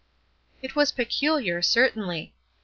It was peculiar, certainly.